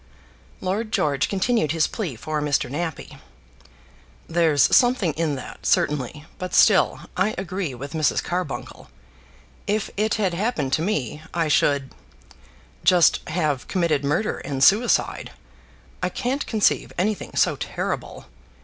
Lord George still continued his plea for Mr. Nappie. "There's something in that, certainly; but, still, I agree with Mrs. Carbuncle. If it had happened to me, I should just have committed murder and suicide. I can't conceive anything so terrible.